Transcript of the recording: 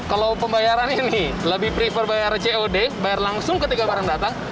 kalau pembayaran ini lebih prefer bayar cod bayar langsung ketika barang datang